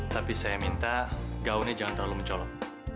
tapi saya minta gaunnya jangan terlalu mencolok